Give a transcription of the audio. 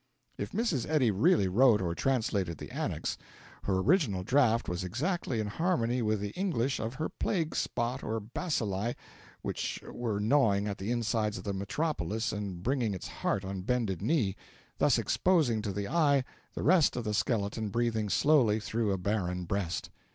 If Mrs. Eddy really wrote or translated the Annex, her original draft was exactly in harmony with the English of her plague spot or bacilli which were gnawing at the insides of the metropolis and bringing its heart on bended knee, thus exposing to the eye the rest of the skeleton breathing slowly through a barren breast.